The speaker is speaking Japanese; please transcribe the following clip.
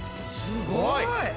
すごい！